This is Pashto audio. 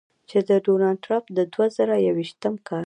چې د ډونالډ ټرمپ د دوه زره یویشتم کال